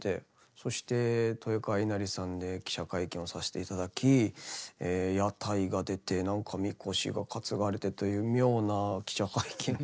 そして豊川稲荷さんで記者会見をさしていただき屋台が出てなんかみこしが担がれてという妙な記者会見を。